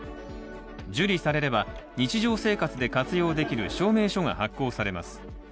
受理されれば日常生活で活用できる証明書が発行されます。